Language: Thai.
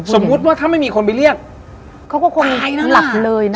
สมมุติว่าถ้าไม่มีคนไปเรียกเขาก็คงหลับเลยนะ